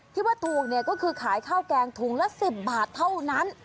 ที่ว่าถูกเนี่ยก็คือขายข้าวแกงถุงละ๑๐บาทเท่านั้น